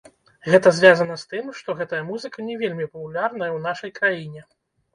Гэта звязана з тым, што гэтая музыка не вельмі папулярная ў нашай краіне.